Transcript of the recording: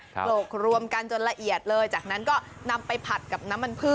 ปลูกรวมกันจนละเอียดเลยจากนั้นก็นำไปผัดกับน้ำมันพืช